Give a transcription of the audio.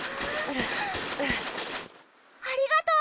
ありがとう！